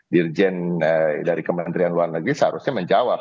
dirjen dari kementerian luar negeri seharusnya menjawab